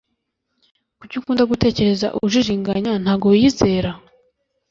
Kuki ukunda gutekereza ujijinganya ntago wiyizera